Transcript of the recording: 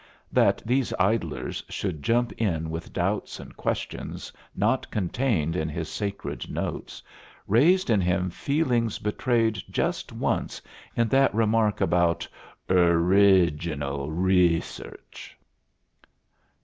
That these idlers should jump in with doubts and questions not contained in his sacred notes raised in him feelings betrayed just once in that remark about "orriginal rresearch."